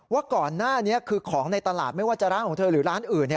ว่าก่อนหน้านี้คือของในตลาดไม่ว่าจะร้านของเธอหรือร้านอื่น